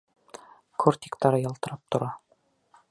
Кортиктары ялтырап тора.